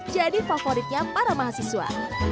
jadi favoritnya para mahasiswa